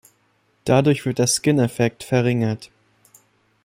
Dadurch wird der Skineffekt verringert.